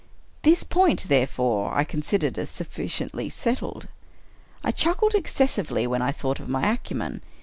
This point, therefore, I con sidered as sufficiently settled. I chuckled excessively when I thought of my acumen.